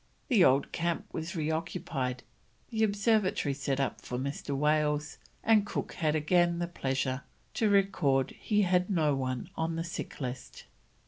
The old camp was reoccupied, the observatory set up for Mr. Wales, and Cook had again the pleasure to record he had no one on the sick list.